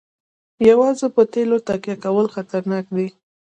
یوازې په تیلو تکیه کول خطرناک دي.